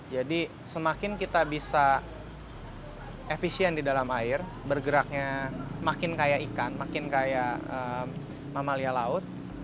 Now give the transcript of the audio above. jadi semakin kita bisa efisien di dalam air bergeraknya makin kayak ikan makin kayak mamalia laut